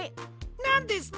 なんですと！